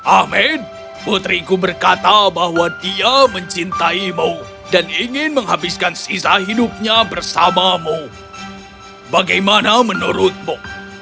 amin putriku berkata bahwa dia mencintaimu dan ingin menghabiskan sisa hidupnya bersamamu bagaimana menurutmu